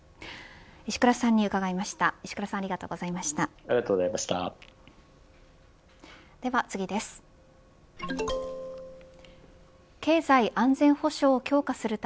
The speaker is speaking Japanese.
石倉さんに伺いました。